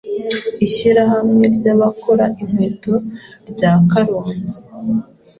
ishyirahamwe ry’abakora inkweto rya Karongi